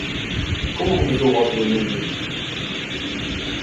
Como comezou 'Bosque vermello'?